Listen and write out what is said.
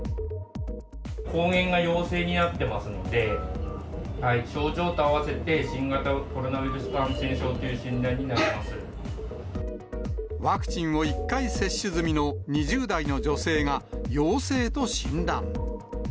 抗原が陽性になってますので、症状と合わせて、新型コロナウイルス感染症という診断になってまワクチンを１回接種済みの２０代の女性が、陽性と診断。